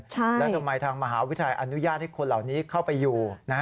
แล้วทำไมทางมหาวิทยาลัยอนุญาตให้คนเหล่านี้เข้าไปอยู่